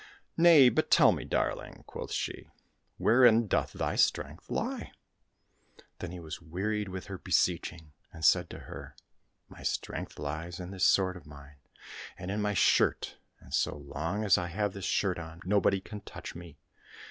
" Nay, but tell me, darling," quoth she, '' wherein doth thy strength lie ?" Then he was wearied with her beseeching, and said to her, " My strength lies in this sword of mine, and in my shirt, and so long as I have this shirt on, nobody can touch me."